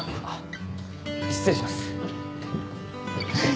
あっ失礼します。